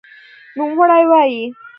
نوموړې وايي